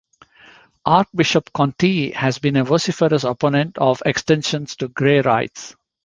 Archbishop Conti has been a vociferous opponent of extensions to gay rights.